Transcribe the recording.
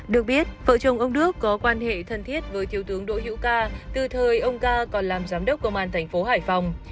được biết vợ chồng ông đức có quan hệ thân thiết với thiếu tướng đỗ hữu ca từ thời ông ca còn làm giám đốc công an thành phố hải phòng